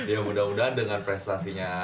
ya mudah mudahan dengan prestasinya